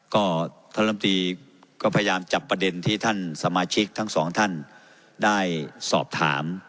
ก็ท่านลำตีก็พยายามจับประเด็นที่ท่านสมาชิกทั้งสองท่านได้สอบถาม